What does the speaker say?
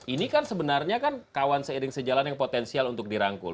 ini kan sebenarnya kan kawan seiring sejalan yang potensial untuk dirangkul